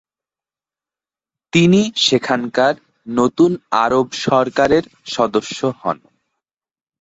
তিনি সেখানকার নতুন আরব সরকারের সদস্য হন।